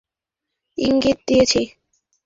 পূর্বেই আমি এদিকে ইংগিত দিয়েছি।